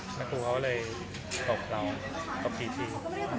นักครูเขาเลยกลับเรากลับที่ที่